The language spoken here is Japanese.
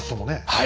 はい。